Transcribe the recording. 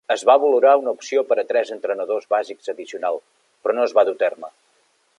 Es va valorar una opció per a tres entrenadors bàsics addicional, però no es va dur a terme.